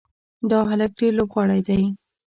دا هلک ډېر لوبغاړی دی.